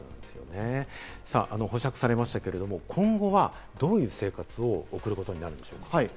保釈されましたけれども、今後はどういう生活を送ることになるんでしょうか？